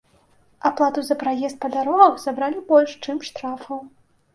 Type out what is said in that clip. Аплату за праезд па дарогах сабралі больш, чым штрафаў.